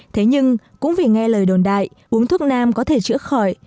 thế nhưng cũng vì nghe lời đồn đại uống thuốc nam có thể chữa khỏi